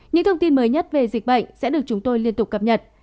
những thông tin mới nhất về dịch bệnh sẽ được chúng tôi liên tục cập nhật